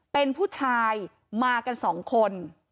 เป็นผู้ชายมากันสองคน